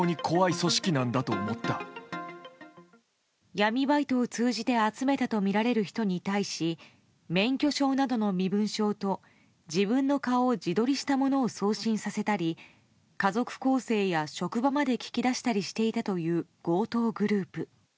闇バイトを通じて集めたとみられる人に対し免許証などの身分証と自分の顔を自撮りしたものを送信させたり家族構成や職場まで聞き出したりしていたという強盗グループ。